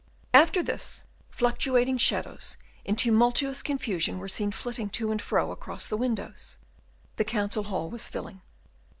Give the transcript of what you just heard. After this, fluctuating shadows in tumultuous confusion were seen flitting to and fro across the windows: the council hall was filling.